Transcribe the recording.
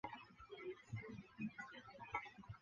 治所在武郎县。